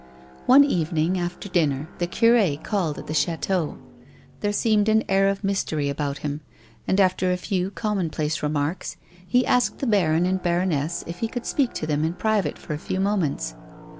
One evening, after dinner, the cure called at the chateau. There seemed an air of mystery about him, and, after a few commonplace remarks, he asked the baron and baroness if he could speak to them in priTate for a few moments.